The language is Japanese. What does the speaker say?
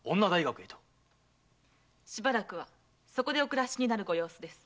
しばらくはそこでお暮らしになるご様子です。